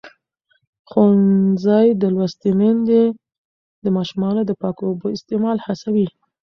ښوونځې لوستې میندې د ماشومانو د پاکو اوبو استعمال هڅوي.